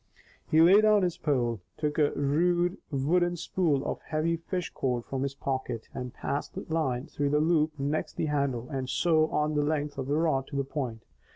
He lay down his pole, took a rude wooden spool of heavy fish cord from his pocket, and passed the line through the loop next the handle and so on the length of the rod to the point.